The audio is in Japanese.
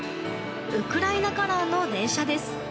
ウクライナカラーの電車です。